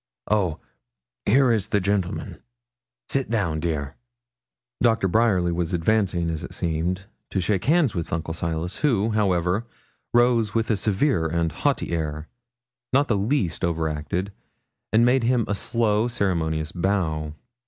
Oh, here is the gentleman. Sit down, dear.' Doctor Bryerly was advancing, as it seemed, to shake hands with Uncle Silas, who, however, rose with a severe and haughty air, not the least over acted, and made him a slow, ceremonious bow.